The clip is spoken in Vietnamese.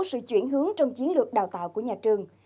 sự chuyển hướng trong chiến lược đào tạo của nhà trường